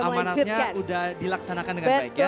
amanatnya sudah dilaksanakan dengan baik ya